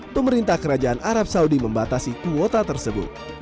pemerintah kerajaan arab saudi membatasi kuota tersebut